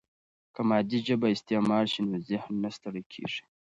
که مادي ژبه استعمال شي، نو ذهن نه ستړی کیږي.